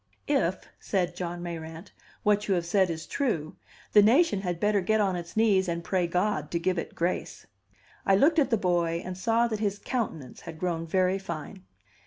"If," said John Mayrant, "what you have said is true, the nation had better get on its knees and pray God to give it grace." I looked at the boy and saw that his countenance had grown very fine.